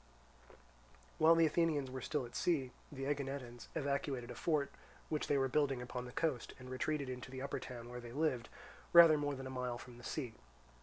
While the Athenians were still at sea, the Aeginetans evacuated a fort which they were building upon the coast, and retreated into the upper town where they lived, rather more than a mile from the sea.